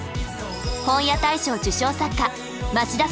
本屋大賞受賞作家町田